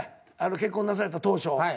結婚なされた当初。